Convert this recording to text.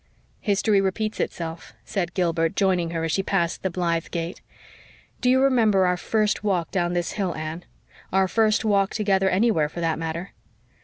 "History repeats itself," said Gilbert, joining her as she passed the Blythe gate. "Do you remember our first walk down this hill, Anne our first walk together anywhere, for that matter?"